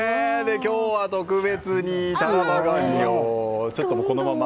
今日は特別にタラバガニをこのまま。